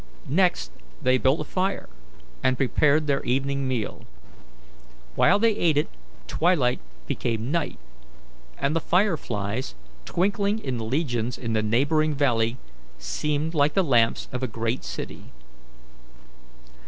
Next they built a fire and prepared their evening meal. While they ate it, twilight became night, and the fire flies, twinkling in legions in the neighbouring valley, seemed like the lamps of a great city.